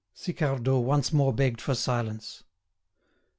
Sicardot once more begged for silence.